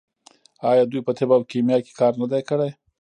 آیا دوی په طب او کیمیا کې کار نه دی کړی؟